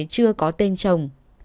chưa có tên chồng